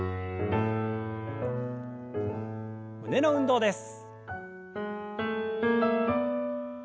胸の運動です。